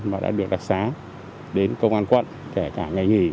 mà đã được đặc xá đến công an quận kể cả ngày nghỉ